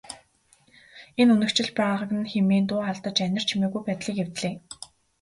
Энэ үнэгчилж байгааг нь хэмээн дуу алдаж анир чимээгүй байдлыг эвдлээ.